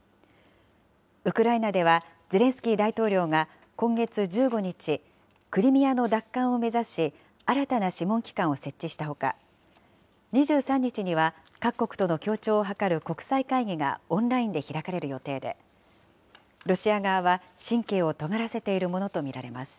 ウクライナではゼレンスキー大統領が今月１５日、クリミアの奪還を目指し、新たな諮問機関を設置したほか、２３日には、各国との協調を図る国際会議がオンラインで開かれる予定で、ロシア側は神経をとがらせているものと見られます。